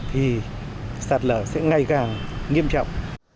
thì sạt lở sẽ ngày càng nghiêm trọng